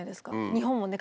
日本もね